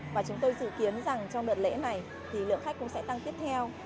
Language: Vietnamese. và chúng tôi dự kiến rằng trong đợt lễ này thì lượng khách cũng sẽ tăng tiếp theo